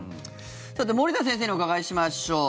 さて、森田先生にお伺いしましょう。